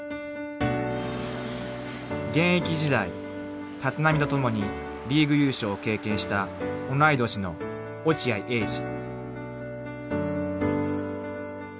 ［現役時代立浪と共にリーグ優勝を経験した同い年の落合英二］